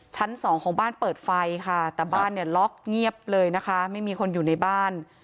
ชั้นสองของบ้านเปิดไฟค่ะแต่บ้านเนี่ยล็อกเงียบเลยนะคะไม่มีคนอยู่ในบ้าน